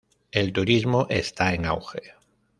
El turismo está en auge.